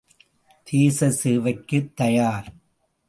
தேச சேவைக்குத் தயார்!